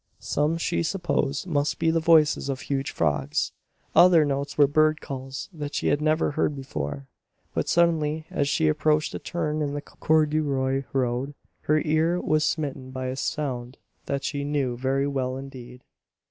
Some she supposed must be the voices of huge frogs; other notes were bird calls that she had never heard before. But suddenly, as she approached a turn in the corduroy road, her ear was smitten by a sound that she knew very well indeed.